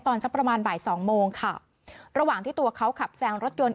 สักประมาณบ่ายสองโมงค่ะระหว่างที่ตัวเขาขับแซงรถยนต์